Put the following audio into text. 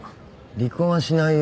離婚はしないよ。